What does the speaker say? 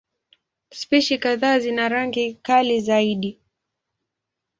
Spishi kadhaa zina rangi kali zaidi.